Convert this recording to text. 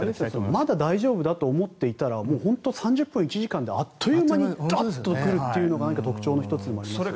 まだ大丈夫だと思っていたら本当に３０分、１時間であっという間にダッと来るというのが特徴の１つでもありますね。